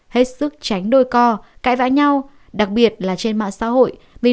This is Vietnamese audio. hết sức tránh đôi co cãi vãi nhau đặc biệt là trên mạng xã hội